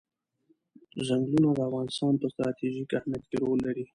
چنګلونه د افغانستان په ستراتیژیک اهمیت کې رول لري.